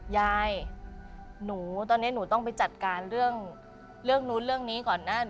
ยายหนูตอนนี้หนูต้องไปจัดการเรื่องนู้นเรื่องนี้ก่อนนะ